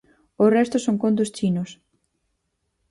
O resto son contos chinos.